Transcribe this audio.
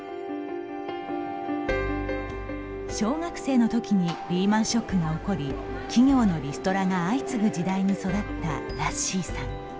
小学生のときにリーマンショックが起こり企業のリストラが相次ぐ時代に育った、らっしーさん。